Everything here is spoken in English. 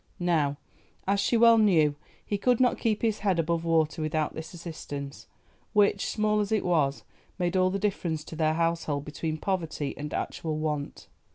Now, as she well knew, he could not keep his head above water without this assistance, which, small as it was, made all the difference to their household between poverty and actual want.